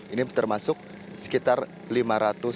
ini termasuk sekitar lima ratus